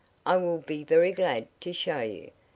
"I will be very glad to show you.